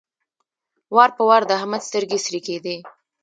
وار په وار د احمد سترګې سرې کېدې.